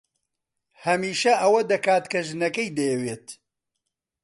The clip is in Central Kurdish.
هەمیشە ئەوە دەکات کە ژنەکەی دەیەوێت.